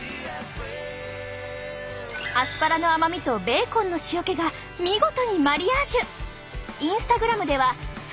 アスパラの甘みとベーコンの塩気が見事にマリアージュ。